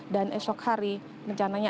dan esok hari mencananya